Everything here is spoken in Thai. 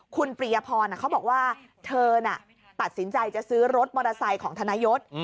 คุณปริยพรเขาบอกว่าเธอน่ะตัดสินใจจะซื้อรถมอเตอร์ไซค์ของธนยศ